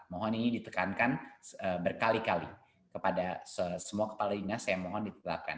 mohon ini ditekankan berkali kali kepada semua kepala dinas saya mohon ditetapkan